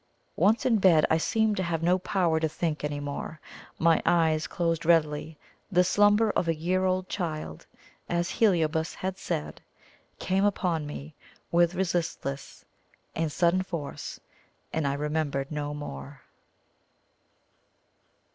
Once in bed, I seemed to have no power to think any more my eyes closed readily the slumber of a year old child, as Heliobas had said, came upon me with resistless and sudden force, and I remembered no more.